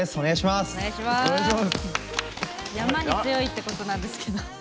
山に強いってことなんですけど。